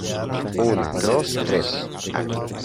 una, dos, tres.